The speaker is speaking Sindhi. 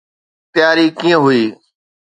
تياري ڪيئن هئي؟